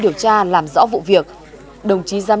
điều tra làm rõ vụ việc đồng chí giám